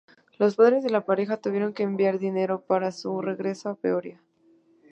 Los padres de la pareja tuvieron que enviar dinero para su regreso a Peoria.